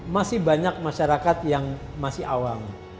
masih banyak masyarakat yang masih awam